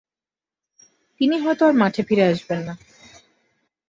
তিনি হয়তো আর মাঠে ফিরে আসবেন না।